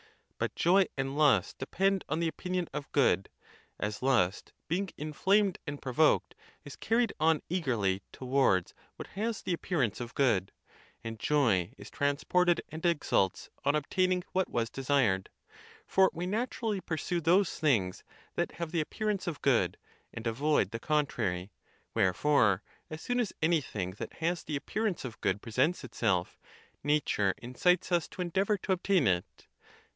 But joy and lust depend on the opinion of good ; as lust, being inflamed and provoked, is carried on eager ly towards what has the appearance of good; and joy is transported and exults on obtaining what was desired: for we naturally pursue those things that have the appearance of good, and avoid the contrary. Wherefore, as soon as anything that has the appearance of good presents itself, nature incites us to endeavor to obtain it.